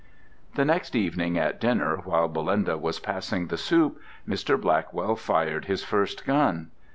The next evening at dinner, while Belinda was passing the soup, Mr. Blackwell fired his first gun.